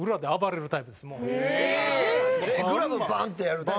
グラブバン！ってやるタイプ？